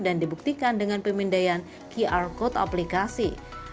dan dibuktikan dengan pemindaian qr code aplikasi